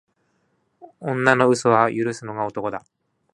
女の嘘は許すのが男だ。